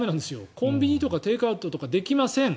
コンビニとかテイクアウトとかできません。